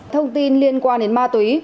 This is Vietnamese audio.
thông tin liên quan đến ma túy